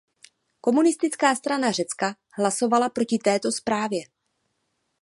Komunistická strana Řecka hlasovala proti této zprávě.